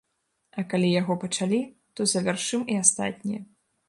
А калі яго пачалі, то завяршым і астатнія.